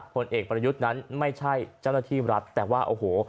ผลเอกประยุทธ์นั้นไม่ใช่เจ้าหน้าที่รัฐแต่ว่าโอ้โห